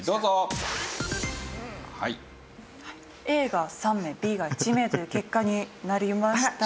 Ａが３名Ｂが１名という結果になりました。